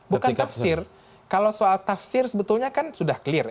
bukan tafsir kalau soal tafsir sebetulnya kan sudah clear